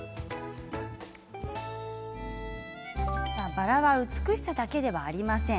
バラは美しさだけではありません。